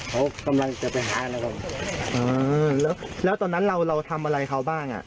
เขากำลังจะไปหาอะไรกับผมเออแล้วแล้วตอนนั้นเราเราทำอะไรเขาบ้างอ่ะ